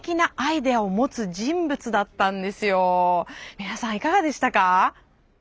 皆さんいかがでしたか？